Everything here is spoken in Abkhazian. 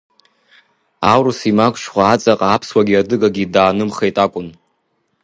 Аурыс имагәшьхәа аҵаҟа аԥсуагьы адыгагьы даанымхеит акәын.